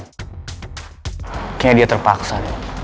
kayaknya dia terpaksa